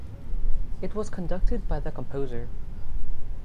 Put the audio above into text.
It was conducted by the composer.